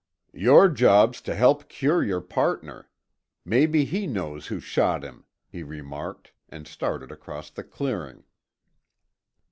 "Your job's to help cure your partner. Maybe he knows who shot him," he remarked, and started across the clearing.